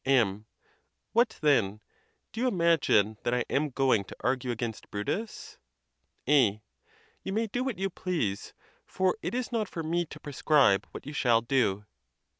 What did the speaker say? M. What, then? do you imagine that I am going to argue against. Brutus ? A. You may do what you please; for it is not for me to prescribe what you shall do.